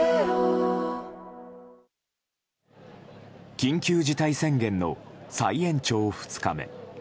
緊急事態宣言の再延長２日目。